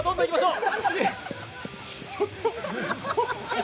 いきましょう。